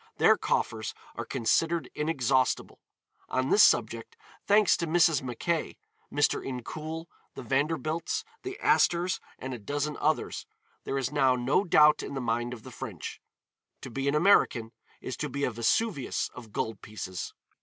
Their coffers are considered inexhaustible. On this subject, thanks to Mrs. Mackay, Mr. Incoul, the Vanderbilts, the Astors and a dozen others, there is now no doubt in the mind of the French. To be an American is to be a Vesuvius of gold pieces.